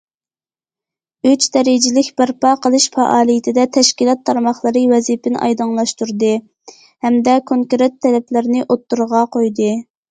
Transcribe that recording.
‹‹ ئۈچ دەرىجىلىك بەرپا قىلىش›› پائالىيىتىدە تەشكىلات تارماقلىرى ۋەزىپىنى ئايدىڭلاشتۇردى ھەمدە كونكرېت تەلەپلەرنى ئوتتۇرىغا قويدى.